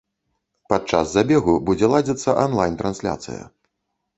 Падчас забегу будзе ладзіцца анлайн-трансляцыя.